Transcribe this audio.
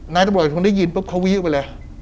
นายตำรวจคงได้ยินปุ๊บเขาวิ่งออกไปเลย